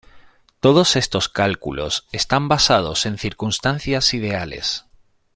Todos estos cálculos están basados en circunstancias ideales.